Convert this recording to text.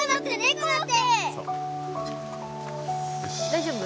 大丈夫？